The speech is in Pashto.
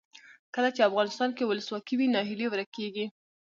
کله چې افغانستان کې ولسواکي وي ناهیلي ورکیږي.